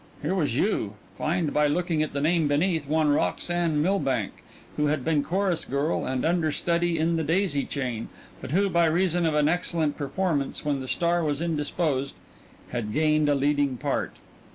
...here was, you find by looking at the name beneath, one Roxanne Milbank, who had been chorus girl and understudy in "The Daisy Chain," but who, by reason of an excellent performance when the star was indisposed, had gained a leading part.